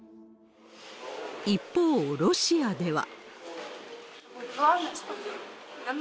一方、ロシアでは。